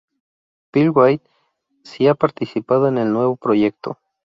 Phil Wilde sí ha participado en el nuevo proyecto.